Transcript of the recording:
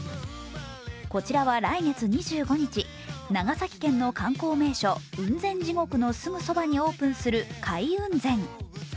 こちらは来月２５日、長崎県の観光名所・雲仙地獄のすぐ近くにオープンする界雲仙。